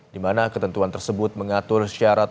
di mana ketentuan tersebut mengatur syarat